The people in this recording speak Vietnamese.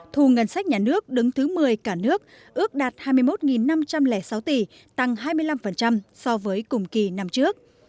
thu ngân sách nhà nước đứng thứ một mươi cả nước ước đạt hai mươi một năm trăm linh sáu tỷ tăng hai mươi năm so với cùng kỳ năm trước